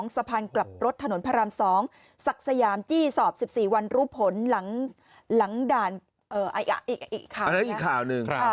สะพานกลับรถถนนพระราม๒ศักดิ์สยามจี้สอบ๑๔วันรู้ผลหลังด่านอีกข่าวหนึ่ง